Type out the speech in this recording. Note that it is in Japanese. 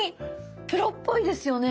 プロっぽいですよね？